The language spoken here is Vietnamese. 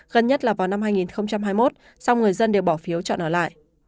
gần nhất là vào năm hai nghìn hai mươi một sau người dân đều bỏ phiếu chọn ở lại